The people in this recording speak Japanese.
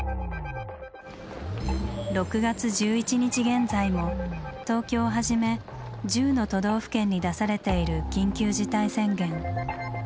６月１１日現在も東京をはじめ１０の都道府県に出されている緊急事態宣言。